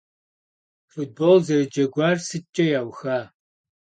Futbol zerıceguar sıtç'e yauxa?